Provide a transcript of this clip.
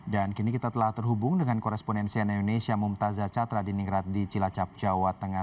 dan kini kita telah terhubung dengan koresponensi nenek indonesia mumtazah catra di ningrat di cilacap jawa tengah